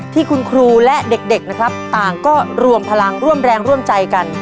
ที่คุณครูและเด็กนะครับต่างก็รวมพลังร่วมแรงร่วมใจกัน